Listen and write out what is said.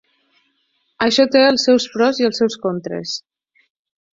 Això té els seus pros i els seus contres.